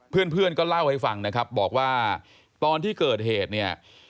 เพื่อนก็เล่าให้ฟังนะครับบอกว่าตอนที่เกิดเหตุเนี่ย